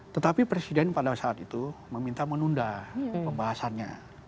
tetapi presiden pada saat itu meminta menunda pembahasannya